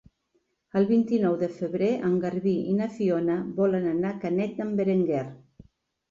El vint-i-nou de febrer en Garbí i na Fiona volen anar a Canet d'en Berenguer.